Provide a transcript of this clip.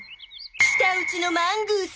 舌打ちのマングース！